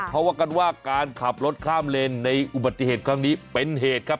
เขาว่ากันว่าการขับรถข้ามเลนในอุบัติเหตุครั้งนี้เป็นเหตุครับ